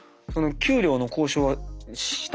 給料の交渉はした？